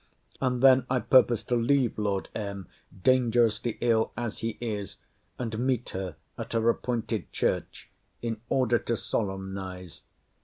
And then I purpose to leave Lord M. (dangerously ill as he is,) and meet her at her appointed church, in order to solemnize.